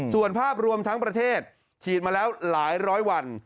ส่วนภาพรวมทั้งประเทศฉีดมาแล้วหลายร้อยวัน